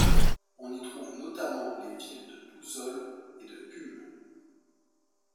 On y trouve notamment les villes de Pouzzoles et de Cumes.